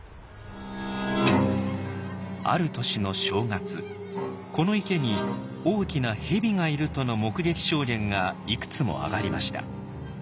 ある年の正月この池に大きな蛇がいるとの目撃証言がいくつもあがりました。